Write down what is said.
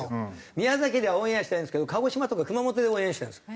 宮崎ではオンエアしてないんですけど鹿児島とか熊本でオンエアしてるんですよ。